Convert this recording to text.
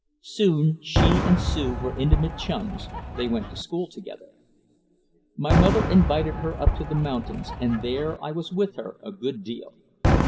Soon she and Sue were intimate chums, they went to school together. My mother invited her up to the mountains, and there I was with her a good deal.